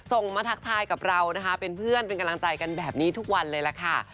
ส่งมาทักทายกับเรานะคะเป็นเพื่อนเป็นกำลังใจกันแบบนี้ทุกวันเลยล่ะค่ะ